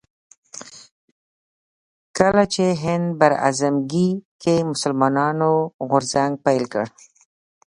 کله چې هند براعظمګي کې مسلمانانو غورځنګ پيل کړ